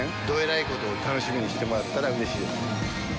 どえらいことを楽しみにしてもらったらうれしい。